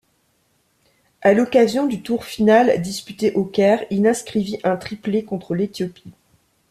À l'occasion du tour final disputé au Caire, il inscrivit un triplé contre l'Éthiopie.